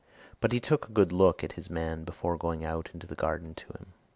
But he took a good look at his man before going out into the garden to him.